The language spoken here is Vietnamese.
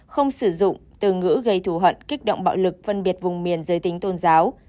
không sử dụng từ ngữ gây thù hận kích động bạo lực phân biệt vùng miền giới tính tôn giáo